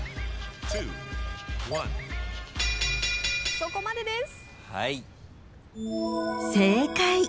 そこまでです。